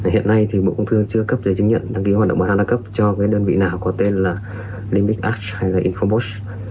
hiện nay bộ công thương chưa cấp giấy chứng nhận đăng ký hoạt động bất hợp đa cấp cho đơn vị nào có tên là limbic arch hay là infomode